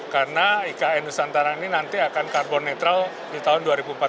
karena ikn nusantara ini nanti akan karbon netral di tahun dua ribu empat puluh lima